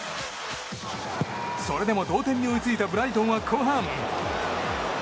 それでも同点に追いついたブライトンは後半。